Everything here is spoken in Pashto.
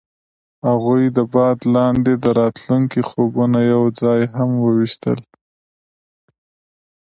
هغوی د باد لاندې د راتلونکي خوبونه یوځای هم وویشل.